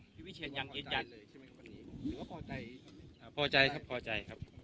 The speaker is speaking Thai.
พี่ครูบิฉิทธิ์ยังยืนยันหรือว่าครับพอใจครับพอใจครับ